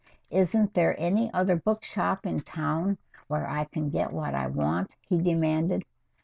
"Isn't there any other book shop in town where I can get what I want?" he demanded.